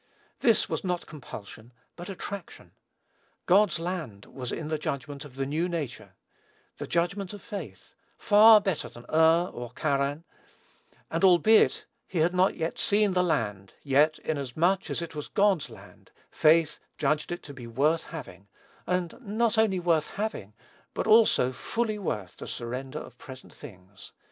This was not compulsion but attraction. God's land was in the judgment of the new nature, the judgment of faith, far better than Ur or Charran: and albeit he had not seen the land, yet, inasmuch as it was God's land, faith judged it to be worth having, and not only worth having, but also fully worth the surrender of present things.